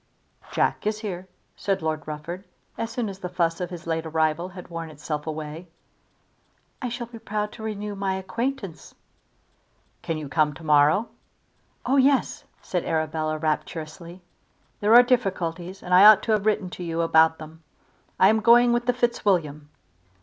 "Jack is here," said Lord Rufford, as soon as the fuss of his late arrival had worn itself away. "I shall be proud to renew my acquaintance." "Can you come to morrow?" "Oh yes," said Arabella, rapturously. "There are difficulties, and I ought to have written to you about them. I am going with the Fitzwilliam."